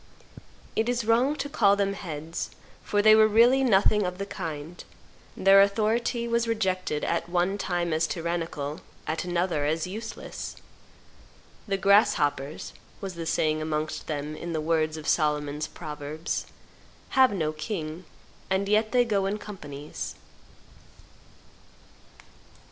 It is wrong to call them heads, for they were really nothing of the kind; their authority was rejected, at one time as tyrannical, at another as useless. "The grasshoppers," was the saying amongst them in the words of Solomon's proverbs, "have no king, and yet they go in companies."